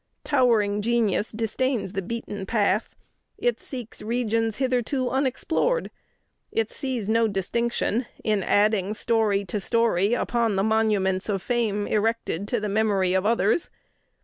Towering genius disdains a beaten path. It seeks regions hitherto unexplored. It sees no distinction in adding story to story upon the monuments of fame erected to the memory of others.